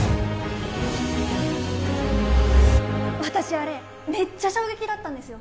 あれめっちゃ衝撃だったんですよ